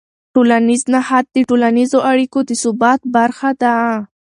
ټولنیز نهاد د ټولنیزو اړیکو د ثبات برخه ده.